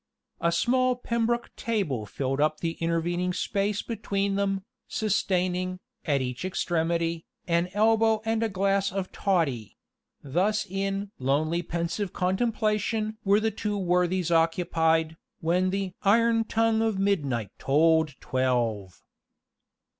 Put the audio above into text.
A small pembroke table filled up the intervening space between them, sustaining, at each extremity, an elbow and a glass of toddy thus in "lonely pensive contemplation" were the two worthies occupied, when the "iron tongue of midnight had tolled twelve."